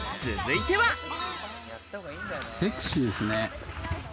セクシーですね。